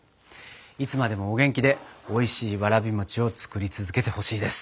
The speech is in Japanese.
いつまでもお元気でおいしいわらび餅を作り続けてほしいです。